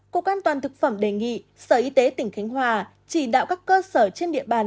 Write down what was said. cục an toàn thực phẩm đề nghị sở y tế tỉnh khánh hòa chỉ đạo các cơ sở trên địa bàn